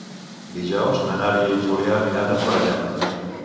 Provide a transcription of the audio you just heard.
Dijous na Nara i en Julià aniran a Forallac.